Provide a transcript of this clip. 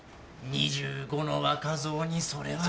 ２５の若造にそれは。